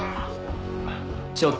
ちょっと。